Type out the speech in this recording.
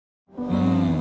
うん。